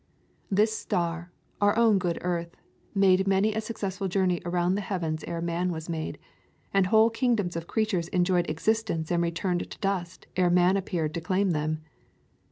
This star, our own good earth, made many a successful journey around the heavens ere man was made, and whole kingdoms of crea tures enjoyed existence and returned to dust ere man appeared to claim them.